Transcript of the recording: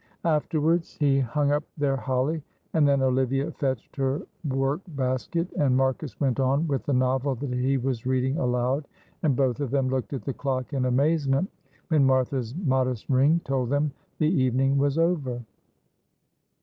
Afterwards he hung up their holly, and then Olivia fetched her work basket, and Marcus went on with the novel that he was reading aloud, and both of them looked at the clock in amazement when Martha's modest ring told them the evening was over.